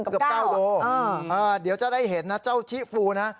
เกือบ๙โลเดี๋ยวจะได้เห็นนะเจ้าชิฟูนะ